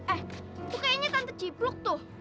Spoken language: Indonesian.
eh tuh kayaknya tante cipluk tuh